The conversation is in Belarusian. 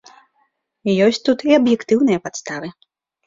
Ёсць тут і аб'ектыўныя падставы.